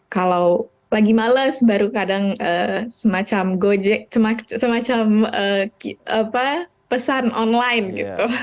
kalau lagi males baru kadang semacam pesan online gitu